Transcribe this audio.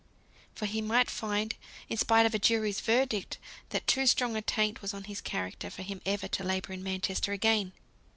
For he might find, in spite of a jury's verdict, that too strong a taint was on his character for him ever to labour in Manchester again.